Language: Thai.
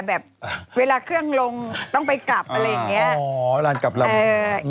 แบบเวลาเครื่องลงต้องไปกลับอะไรอย่างเงี้ยอ๋อร้านกลับเราเออ